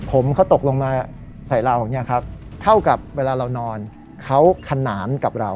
ผมเขาตกลงมาใส่เราอย่างนี้ครับเท่ากับเวลาเรานอนเขาขนานกับเรา